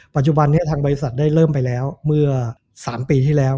ปัจจุบันนี้ทางบริษัทได้เริ่มไปแล้วเมื่อ๓ปีที่แล้ว